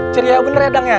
ceria bener ya dong ya